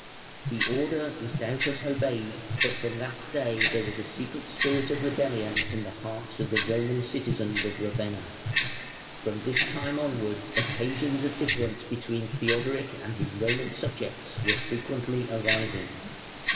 The order was doubtless obeyed, but from that day there was a secret spirit of rebellion in the hearts of the Roman citizens of Ravenna. From this time onward occasions of difference between Theodoric and his Roman subjects were frequently arising.